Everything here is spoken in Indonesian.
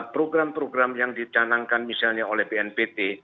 program program yang dicanangkan misalnya oleh bnpt